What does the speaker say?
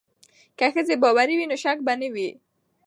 که ښځې باوري وي نو شک به نه وي.